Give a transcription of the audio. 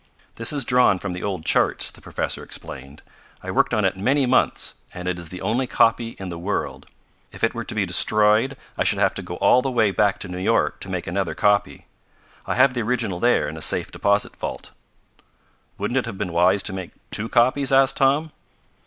"This is drawn from the old charts," the professor explained. "I worked on it many months, and it is the only copy in the world. If it were to be destroyed I should have to go all the way back to New York to make another copy. I have the original there in a safe deposit vault." "Wouldn't it have been wise to make two copies?" asked Tom.